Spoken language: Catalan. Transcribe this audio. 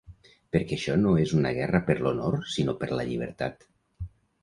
Perquè això no és una guerra per l’honor sinó per la llibertat.